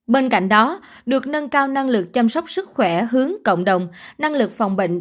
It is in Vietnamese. bên cạnh đó được nâng cao năng lực chăm sóc sức khỏe hướng cộng đồng năng lực phòng bệnh